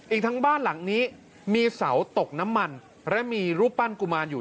อีกทั้งบ้านหลังนี้มีเสาตกน้ำมันและมีรูปปั้นกุมารอยู่